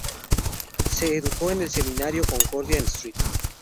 Se educó en el Seminario Concordia en St.